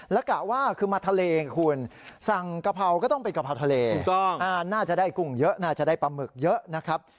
แล้วกะว่าคือมาทะเลไงคุณสั่งกะเพราก็ต้องเป็นกะเพราทะเลน่าจะได้กุ้งเยอะน่าจะได้ปลาหมึกเยอะนะครับ